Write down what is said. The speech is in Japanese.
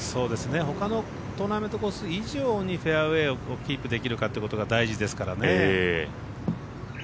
ほかのトーナメントコース以上にフェアウエーをキープできるかってことが大事ですからね。